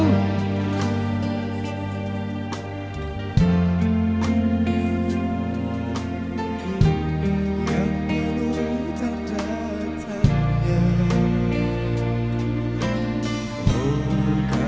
yang menurut tatanya